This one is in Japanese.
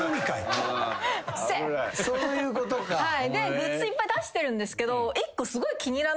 グッズいっぱい出してるんですけど。